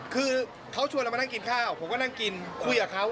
คือเขาชวนเรามานั่งกินข้าวผมก็นั่งกินคุยกับเขา